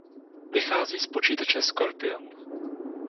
Vychází z počítače Scorpion.